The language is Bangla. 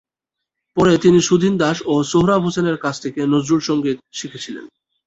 পরে তিনি সুধীন দাশ ও সোহরাব হোসেনের কাছ থেকে নজরুল সংগীত শিখেছিলেন।